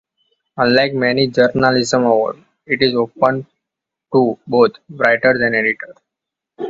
Unlike many journalism awards, it is open to both writers and editors.